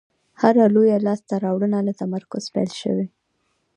هره لویه لاستهراوړنه له تمرکز پیل شوې.